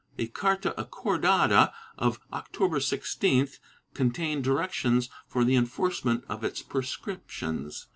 A carta acordada of October 16th contained directions for the enforcement of its prescriptions.